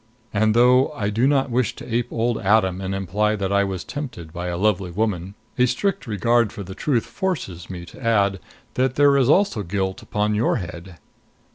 And, though I do not wish to ape old Adam and imply that I was tempted by a lovely woman, a strict regard for the truth forces me to add that there is also guilt upon your head.